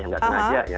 yang nggak sengaja ya